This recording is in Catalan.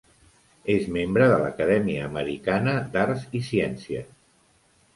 És membre de l'Acadèmia Americana d'Arts i Ciències.